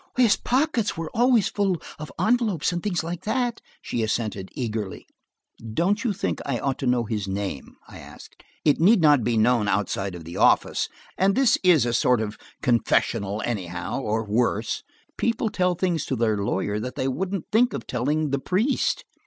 "His pockets were always full of envelopes and things like that," she assented eagerly. "Don't you think I ought to know his name?" I asked. "It need not be known outside of the office, and this is a sort of confessional anyhow, or worse. People tell things to their lawyer that they wouldn't think of telling the priest."